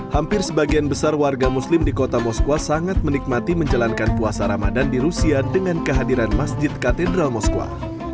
hampir sebagian besar warga muslim di kota moskwa sangat menikmati menjalankan puasa ramadan di rusia dengan kehadiran masjid katedral moskwa